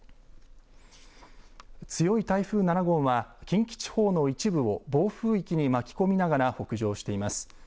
強い台風７号は近畿地方の一部を暴風域に巻き込みながら北上しています。